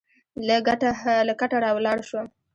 له کټه راولاړ شوم.